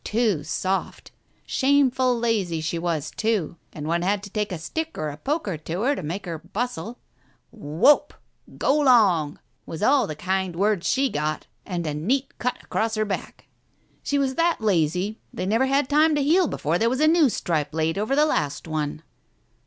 Too soft, shameful lazy she was, too, and one had to take a stick or a poker to her to make her bustle. Whoap ! Go 'long I was all the kind words she got. And a neat cut across her back. She was that lazy they never had time to heal before there was a new stripe laid over the last one."